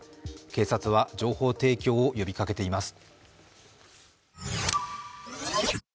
警察は情報提供を呼びかけています。